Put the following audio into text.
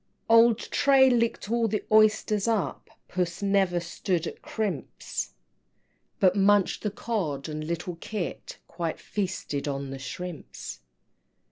XVI. Old Tray licked all the oysters up, Puss never stood at crimps, But munched the Cod and little Kit Quite feasted on the shrimps!